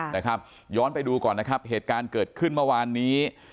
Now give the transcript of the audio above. นะครับย้อนไปดูก่อนนะครับเหตุการณ์เกิดขึ้นเมื่อวานนี้